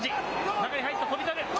中へ入った翔猿。